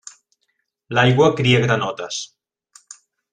L'aigua cria granotes.